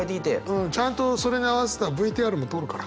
うんちゃんとそれに合わせたＶＴＲも撮るから。